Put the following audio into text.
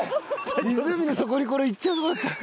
湖の底にこれ行っちゃうとこだった。